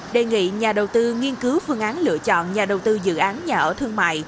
đề nghị nhà đầu tư nghiên cứu phương án lựa chọn nhà đầu tư dự án nhà ở thương mại